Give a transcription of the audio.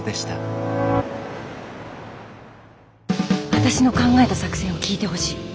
私の考えた作戦を聞いてほしい。